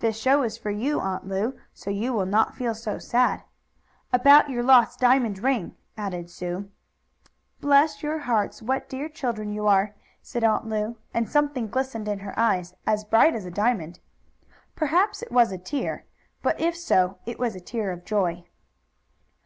"The show is for you, Aunt Lu. So you will not feel so sad." "About your lost diamond ring," added Sue. "Bless your hearts! What dear children you are!" said Aunt Lu, and something glistened in her eyes as bright as a diamond perhaps it was a tear but if so it was a tear of joy.